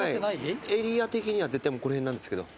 エリア的には絶対この辺なんですけど。